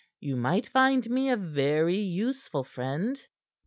You might find me a very useful friend."